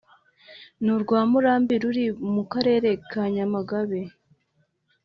n’urwa Murambi ruri mu Karere ka Nyamagabe